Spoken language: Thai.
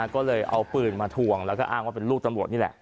ก็เลยเอาปืนมาทวงแล้วก็อ้างว่าเป็นลูกตำรวจนี่แหละ